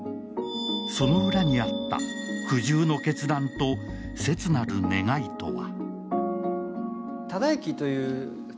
その裏にあった苦渋の決断と切なる願いとは。